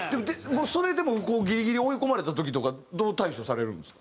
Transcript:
それでもこうギリギリ追い込まれた時とかどう対処されるんですか？